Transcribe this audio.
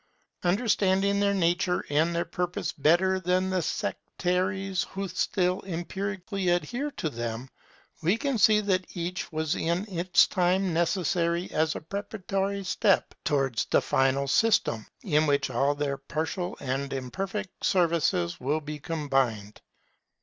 Understanding their nature and their purpose better than the sectaries who still empirically adhere to them, we can see that each was in its time necessary as a preparatory step towards the final system, in which all their partial and imperfect services will be combined.